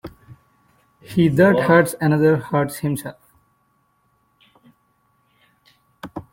He that hurts another, hurts himself.